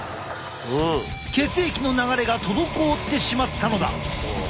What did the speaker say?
血液の流れが滞ってしまったのだ。